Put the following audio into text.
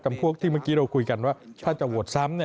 พวกที่เมื่อกี้เราคุยกันว่าถ้าจะโหวตซ้ำเนี่ย